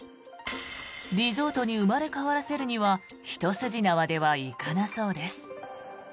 リゾートに生まれ変わらせるには一筋縄ではいかなそうです。